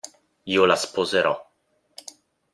Io la sposerò!